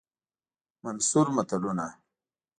منثور متلونه